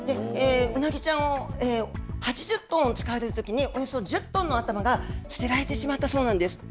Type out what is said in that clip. ウナギちゃんを８０トン使われるときに、およそ１０トンの頭が捨てられてしまったそうなんです。